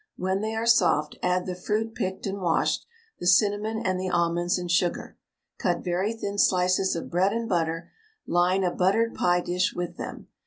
When they are soft add the fruit picked and washed, the cinnamon, and the almonds and sugar. Cut very thin slices of bread and butter, line a buttered pie dish with them.